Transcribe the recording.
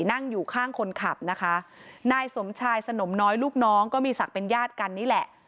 นั่งอยู่ข้างคนขับนะคะนายสมชายสนมน้อยลูกน้องก็มีศักดิ์เป็นญาติกันนี่แหละ